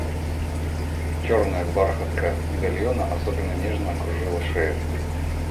Черная бархатка медальона особенно нежно окружила шею.